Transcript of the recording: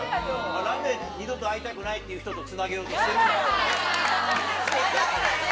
なんで二度と会いたくないっていう人とつなげようとしてるんだっていうね。